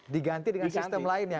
diganti dengan sistem lain yang